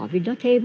vì nó thêm